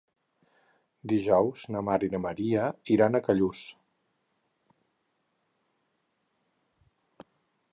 Dijous na Mar i na Maria iran a Callús.